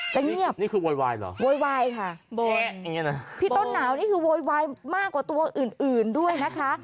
จะเงียบโวยวายค่ะพี่ต้นหนาวนี่คือโวยวายมากกว่าตัวอื่นด้วยนะคะ